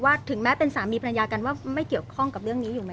ถึงแม้เป็นสามีภรรยากันว่าไม่เกี่ยวข้องกับเรื่องนี้อยู่ไหม